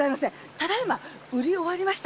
ただ今売り終わりました。